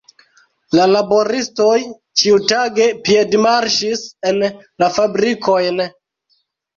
La laboristoj ĉiutage piedmarŝis en la fabrikojn.